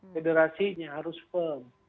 federasinya harus firm